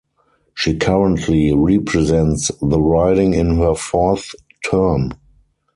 She currently represents the riding in her fourth term.